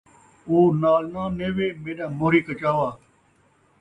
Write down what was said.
او نال ناں نیوے، میݙا موہری کچاوا